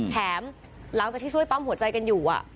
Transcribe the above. หลังจากที่ช่วยปั๊มหัวใจกันอยู่